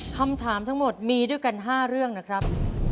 คำถามทั้งหมดมีด้วยกัน๕เรื่องนะครับ